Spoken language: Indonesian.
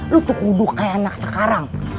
lu tuh kuduk kayak anak sekarang